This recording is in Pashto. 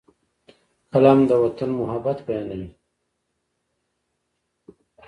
قلم د وطن محبت بیانوي